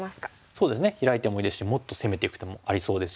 そうですねヒラいてもいいですしもっと攻めていく手もありそうですし。